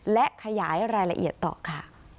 และขยายรายละเอียดต่อค่ะ